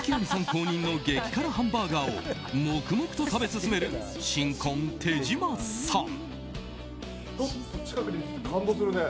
公認の激辛ハンバーガーを黙々と食べ進める新婚・手島さん。